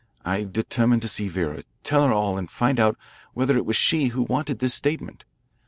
I determined to see Vera, tell her all, and find out whether it was she who wanted this statement.